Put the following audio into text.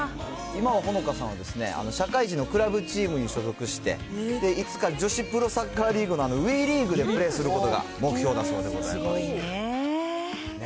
今はほのかさんは、社会人のクラブチームに所属して、いつか女子プロサッカーリーグのＷＥリーグでプレーすることが目すごいね。